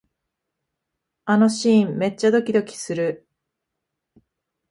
あのシーン、めっちゃドキドキする